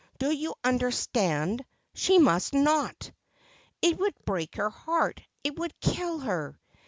Do you understand ? She must not ! It would break her heart, it would kill her.